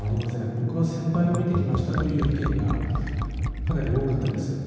僕は先輩を見てきましたという意見がかなり多かったです。